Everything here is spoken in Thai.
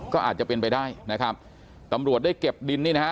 ก็อาจจะเป็นไปได้นะครับตำรวจได้เก็บดินนี่นะฮะ